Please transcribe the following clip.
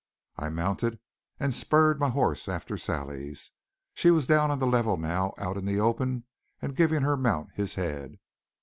I mounted and spurred my horse after Sally's. She was down on the level now, out in the open, and giving her mount his head.